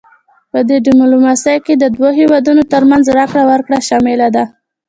پدې ډیپلوماسي کې د دوه هیوادونو ترمنځ راکړه ورکړه شامله ده